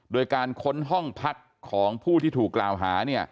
โดยการค้นห้องพักของผู้ที่ถูกกล่าวหา